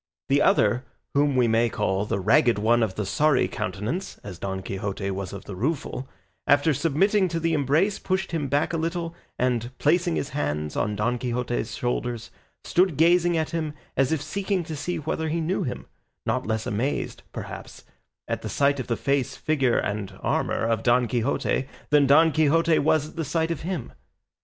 The other, whom we may call the Ragged One of the Sorry Countenance, as Don Quixote was of the Rueful, after submitting to the embrace pushed him back a little and, placing his hands on Don Quixote's shoulders, stood gazing at him as if seeking to see whether he knew him, not less amazed, perhaps, at the sight of the face, figure, and armour of Don Quixote than Don Quixote was at the sight of him.